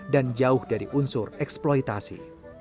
dan jauh dari unsur eksploitasi